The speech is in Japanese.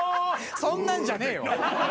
そんなんじゃねえわ！